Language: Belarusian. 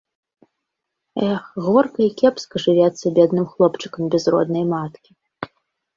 Эх, горка і кепска жывецца бедным хлопчыкам без роднай маткі!